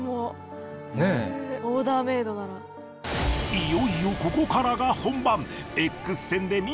いよいよここからが本番。